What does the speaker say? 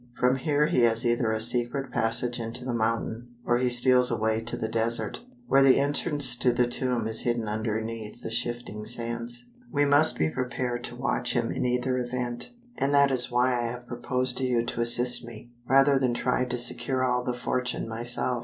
From here he has either a secret passage into the mountain, or he steals away to the desert, where the entrance to the tomb is hidden underneath the shifting sands. We must be prepared to watch him in either event, and that is why I have proposed to you to assist me, rather than try to secure all the fortune myself.